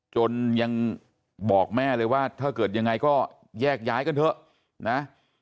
จนยังบอกแม่เลยว่าถ้าเกิดยังไงก็แยกย้ายกันเถอะนะ